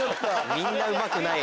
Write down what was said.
みんなうまくない。